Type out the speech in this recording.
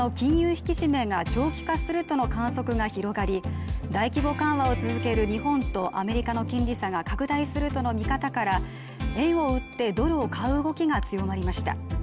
引き締めが長期化するとの観測が広がり大規模緩和を続ける日本とアメリカの金利差が拡大するとの見方から、円を売ってドルを買う動きが強まりました。